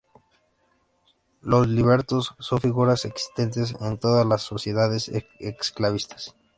Los libertos son figuras existentes en todas las sociedades esclavistas.